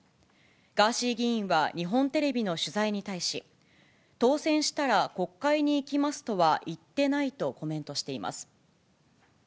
ガーシー議員は日本テレビの取材に対し、当選したら国会に行きますとは言ってないとコメントしています。